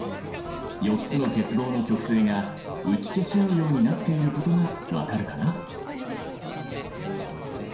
４つの結合の極性が打ち消し合うようになっていることが分かるかな。